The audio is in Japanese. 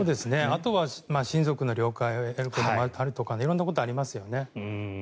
あとは親族の了解を得ることもあるとか色んなこと、ありますよね。